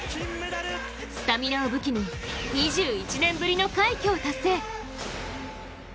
スタミナを武器に２１年ぶりの快挙を達成。